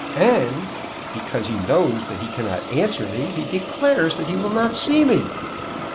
And because he knows that he cannot answer me he declares that he will not see me."